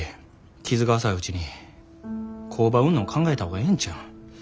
傷が浅いうちに工場売んの考えた方がええんちゃうん。